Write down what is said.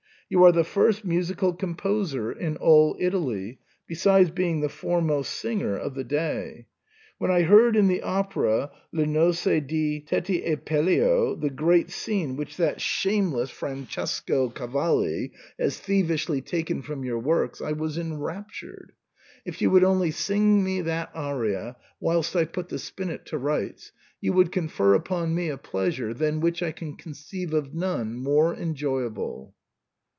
You are the first musical composer in all Italy, besides being the foremost singer of the day. When I heard in the opera Le Nozze di Teti e Peleo the great scene which that shameless Fran *•; I04 SIGNOR FORMICA. cesco Cavalli has thievishly taken from your works, I was enraptured If you would only sing me that aria whilst I put the spinet to rights you would confer upon me a pleasure than which I can conceive of none more enjoyable."